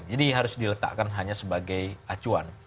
jadi harus diletakkan hanya sebagai acuan